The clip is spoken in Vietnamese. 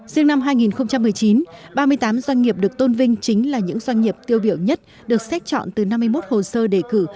riêng năm hai nghìn một mươi chín ba mươi tám doanh nghiệp được tôn vinh chính là những doanh nghiệp tiêu biểu nhất được xét chọn từ năm mươi một hồ sơ đề cử